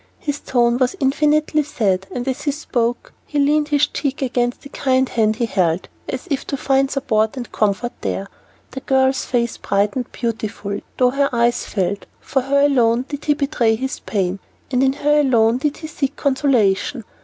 His tone was infinitely sad, and as he spoke, he leaned his cheek against the kind hand he held, as if to find support and comfort there. The girl's face brightened beautifully, though her eyes filled, for to her alone did he betray his pain, and in her alone did he seek consolation.